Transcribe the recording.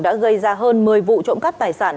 đã gây ra hơn một mươi vụ trộm cắp tài sản